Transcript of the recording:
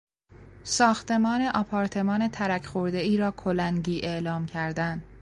ساختمان آپارتمان ترک خوردهای را کلنگی اعلام کردن